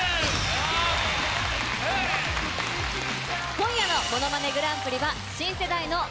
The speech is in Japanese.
今夜の『ものまねグランプリ』は。